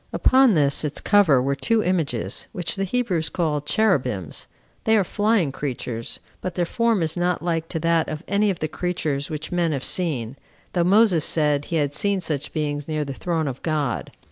Upon this its cover were two images, which the Hebrews call Cherubims; they are flying creatures, but their form is not like to that of any of the creatures which men have seen, though Moses said he had seen such beings near the throne of God.